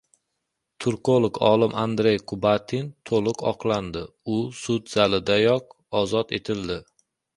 Turkolog-olim Andrey Kubatin to‘liq oqlandi va sud zalidayoq ozod etildi